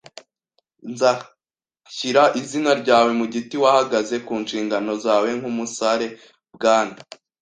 “Nzashyira izina ryawe mu giti; wahagaze ku nshingano zawe nk'umusare. Bwana